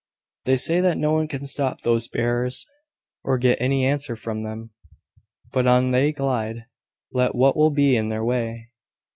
They say that no one can stop those bearers, or get any answer from them: but on they glide, let what will be in their way."